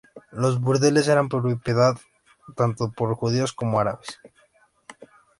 Los burdeles eran propiedad tanto por judíos como árabes.